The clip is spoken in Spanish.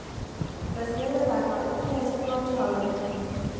La sede de la parroquia es Port Allen.